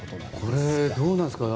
これ、どうなんですか。